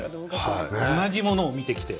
同じものを見て。